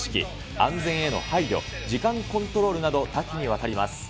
安全への配慮、時間コントロールなど、多岐にわたります。